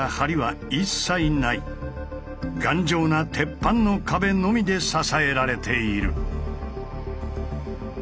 頑丈な鉄板の壁のみで支えられている。